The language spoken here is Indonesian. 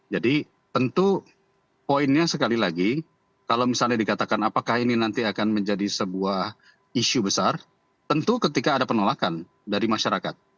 jadi tentu poinnya sekali lagi kalau misalnya dikatakan apakah ini nanti akan menjadi sebuah isu besar tentu ketika ada penolakan dari masyarakat